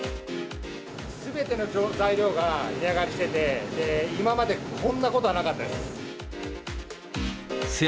すべての材料が値上がりしていて、今までこんなことはなかったです。